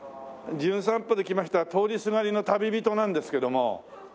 『じゅん散歩』で来ました通りすがりの旅人なんですけども。